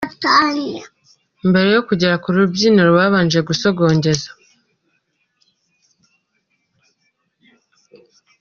Mbere yo kugera ku rubyiniro, yabanje gusogongeza.